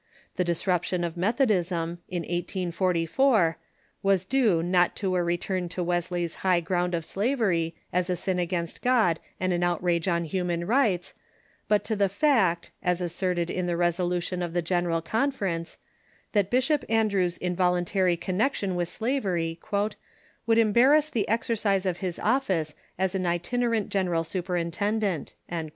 The disruption of Methodism, in 1844, THE ANTISL AVERY REFORM 593 •was due not to a return to Wesley's high ground of slavery as a sin against God and an outrage on human rights, but to the fact, as asserted in the Resolution of the General Conference, that Bishop Andrew's involuntary connection with slavery " would embarrass the exercise of his office as an itinerant gen eral superintendent."